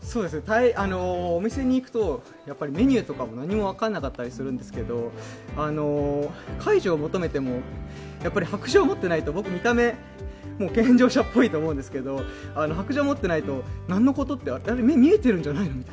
お店に行くとメニューとかも何も分かんなかったりするんですけど介助を求めても、白杖を持っていないと僕、見た目、健常者っぽいと思うんですけど、白杖を持っていないと何のこと？って見えてるんじゃないの？